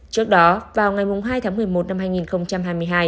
trước đó vào ngày hai tháng một mươi một năm hai nghìn hai mươi hai